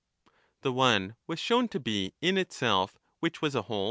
touch both The one was shown to be in itself which was a whole?